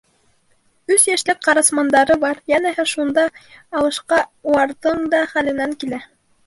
Өс йәшлек ҡарасмандары бар, йәнәһе, шундай алышҡа уларҙың да хәленән килә.